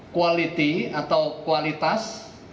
quality atau kualitas